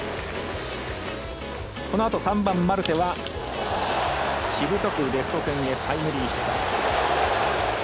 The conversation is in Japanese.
このあと３番マルテはしぶとくレフト線へタイムリーヒット。